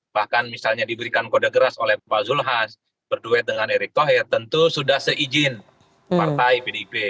bahkan misalnya diberikan kode geras oleh bapak zulhahas berduet dengan erick thohir tentu sudah seizin partai pdp